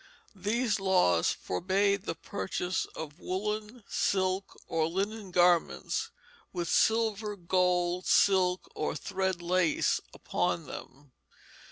These laws forbade the purchase of woollen, silk, or linen garments, with silver, gold, silk, or thread lace on them.